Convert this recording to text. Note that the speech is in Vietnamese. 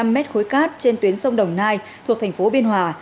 năm mét khối cát trên tuyến sông đồng nai thuộc thành phố biên hòa